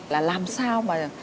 là làm sao mà